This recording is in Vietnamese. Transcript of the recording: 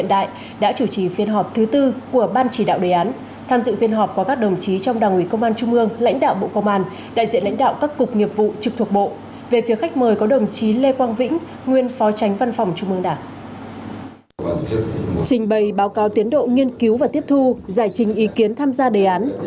trình bày báo cáo tiến độ nghiên cứu và tiếp thu giải trình ý kiến tham gia đề án